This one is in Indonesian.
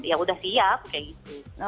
yaudah siap kayak gitu